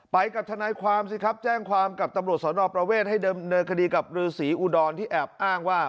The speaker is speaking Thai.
ไปกับทนายความสิครับแจ้งความกับตำรวจสนประเวทให้เดิมเนินคดีกับฤษีอุดรที่แอบอ้างว่า